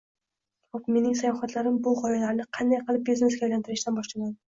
Xoʻp, mening sayohatlarim bu gʻoyalarni qanday qilib biznesga aylantirishdan boshlandi.